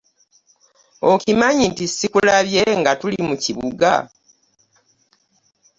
Okimanyi nti sakulabye nga tuli mu kibuga.